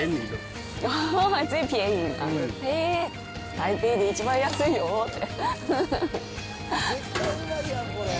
台北で一番安いよって。